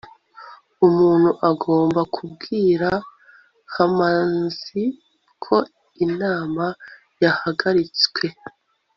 umuntu agomba kubwira kamanzi ko inama yahagaritswe